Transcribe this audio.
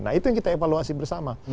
nah itu yang kita evaluasi bersama